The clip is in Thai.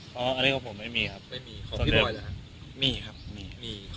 มันจะจบไหมมันจะหลุดออกมาไหม